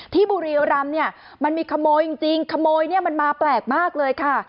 บุรีรำเนี่ยมันมีขโมยจริงขโมยเนี่ยมันมาแปลกมากเลยค่ะ